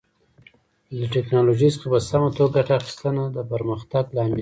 له ټکنالوژۍ څخه په سمه توګه ګټه اخیستنه د پرمختګ لامل شو.